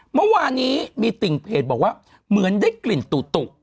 เมื่อวานนี้มีติ่งเพจบอกว่าเหมือนได้กลิ่นตุ